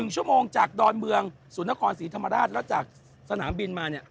๑ชั่วโมงจากดอนเมืองศูนย์นครศรีธรรมราชแล้วจากสนามบินมาเนี่ย